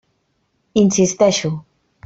Insisteixo.